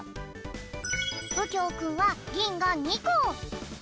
うきょうくんはぎんが２こ。